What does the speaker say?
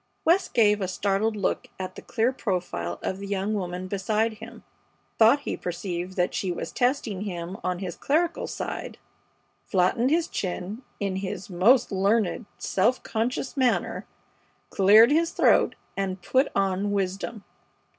West gave a startled look at the clear profile of the young woman beside him, thought he perceived that she was testing him on his clerical side, flattened his chin in his most learned, self conscious manner, cleared his throat, and put on wisdom.